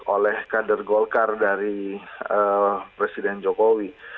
oleh kader golkar dari presiden jokowi